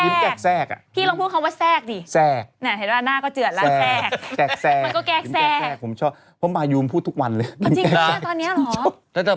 นะเขาบอกว่ารถเมย์เผินจังเลย